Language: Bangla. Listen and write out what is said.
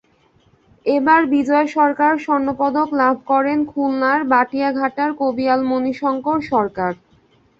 এবার বিজয় সরকার স্বর্ণপদক লাভ করেন খুলনার বটিয়াঘাটার কবিয়াল মনি শঙ্কর সরকার।